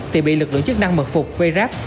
thì bị lực lượng chức năng mật phục vây ráp